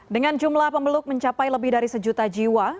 dengan jumlah pemeluk mencapai lebih dari sejuta jiwa